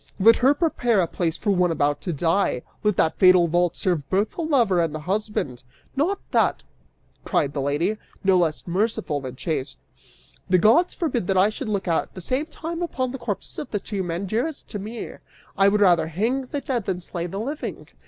Let her prepare a place for one about to die, let that fatal vault serve both the lover and the husband! 'Not that,' cried out the lady, no less merciful than chaste, 'the gods forbid that I should look at the same time upon the corpses of the two men dearest to me; I would rather hang the dead than slay the living!